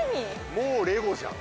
もうレゴじゃん。